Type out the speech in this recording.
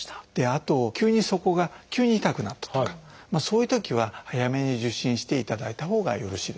あと急にそこが急に痛くなったとかそういうときは早めに受診していただいたほうがよろしいですね。